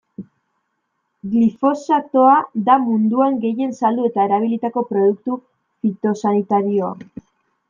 Glifosatoa da munduan gehien saldu eta erabilitako produktu fitosanitarioa.